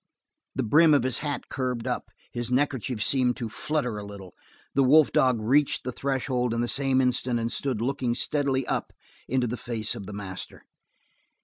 The brim of his hat curved up, his neckerchief seemed to flutter a little. The wolf dog reached the threshold in the same instant and stood looking steadily up into the face of the master.